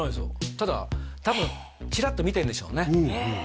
ただ多分チラッと見てるんでしょうね